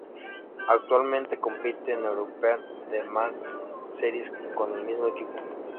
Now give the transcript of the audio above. Actualmente compite en European Le Mans Series con el mismo equipo.